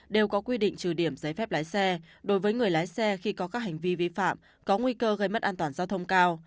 đều có quy định trừ điểm giấy phép lái xe đối với người lái xe khi có các hành vi vi phạm có nguy cơ gây mất an toàn giao thông cao